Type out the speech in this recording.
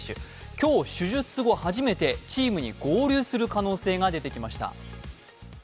今日、手術後初めてチームに合流する可能性が出てきました。